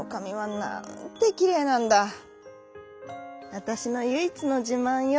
「わたしのゆいいつのじまんよ。